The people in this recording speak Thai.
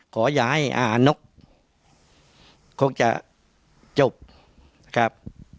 ขออย่าให้อาหารนกคงจะจบนะครับ